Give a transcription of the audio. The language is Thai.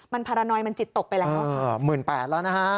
มันพารานอยมันจิตตกไปแล้ว